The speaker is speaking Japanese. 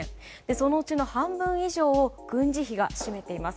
そのうちの半分以上を軍事費が占めています。